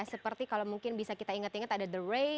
seperti kalau mungkin bisa kita ingat ingat ada the ray